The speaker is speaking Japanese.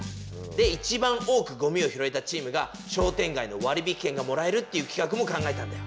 でいちばん多くゴミを拾えたチームが商店街の割引券がもらえるっていう企画も考えたんだよ。